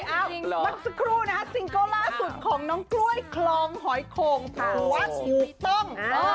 มันสุดครู่นะครับซิงเกิ้ลล่าสุดของน้องกล้วยคลองหอยโคงหัวหูต้ง